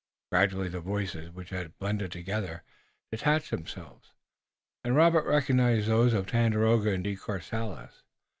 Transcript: Gradually the voices which had been blended together, detached themselves and Robert recognized those of Tandakora and De Courcelles.